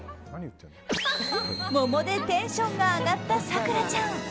桃でテンションが上がった咲楽ちゃん。